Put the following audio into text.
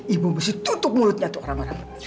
ibu besi tutup mulutnya tuh orang orang